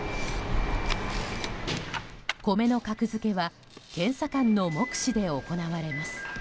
米の格付けは検査官の目視で行われます。